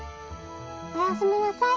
おやすみなさい。